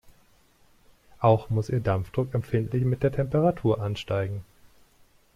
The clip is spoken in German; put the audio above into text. Auch muss ihr Dampfdruck empfindlich mit der Temperatur ansteigen.